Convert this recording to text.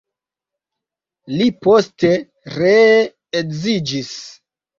Li poste ree edziĝis.